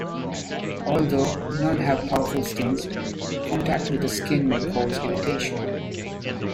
Although none have powerful stings, contact with the skin may cause irritation.